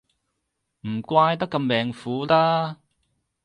唔怪得咁命苦啦